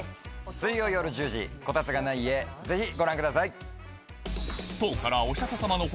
水曜夜１０時『コタツがない家』ぜひご覧ください。